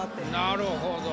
なるほど。